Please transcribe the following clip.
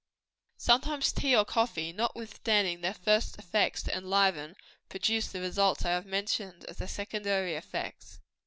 Sometimes tea or coffee, notwithstanding their first effects to enliven, produce the results I have mentioned, as their secondary effects.